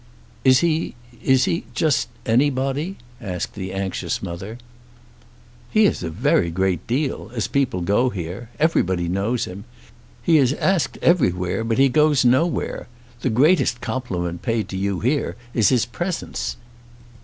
"Is he, is he just anybody?" asked the anxious mother. "He is a very great deal, as people go here. Everybody knows him. He is asked everywhere, but he goes nowhere. The greatest compliment paid to you here is his presence."